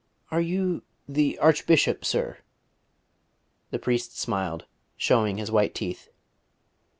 "Are you the Archbishop, sir?" The priest smiled, showing his white teeth.